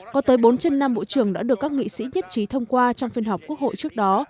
có tới bốn trên năm bộ trưởng đã được các nghị sĩ nhất trí thông qua trong phiên họp quốc hội trước đó